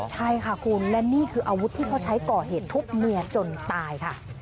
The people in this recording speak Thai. ใช่ค่ะคุณและนี่คืออาวุธที่เขาใช้ก่อเหตุทุบเมียจนตายค่ะ